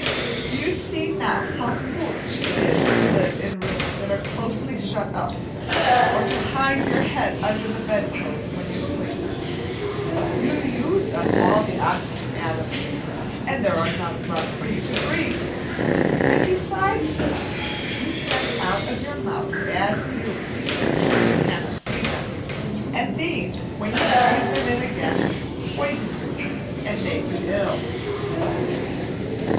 Do you see now how foolish it is to live in rooms that are closely shut up, or to hide your head under the bedclothes when you sleep? You use up all the oxygen atoms, and then there are none left for you to breathe; and besides this, you send out of your mouth bad fumes, though you cannot see them, and these, when you breathe them in again, poison you and make you ill.